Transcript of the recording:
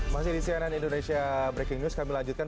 masih di cnn indonesia breaking news kami lanjutkan